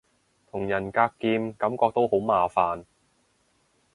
同人格劍感覺都好麻煩